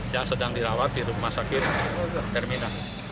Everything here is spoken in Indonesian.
yang sedang dirawat di rumah sakit hermina